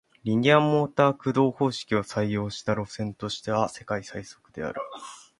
リニアモーター駆動方式を採用した路線としては世界最速である